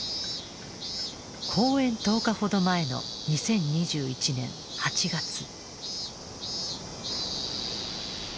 公演１０日ほど前の２０２１年８月。